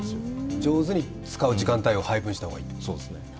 上手に使う時間帯を配分した方がいいと。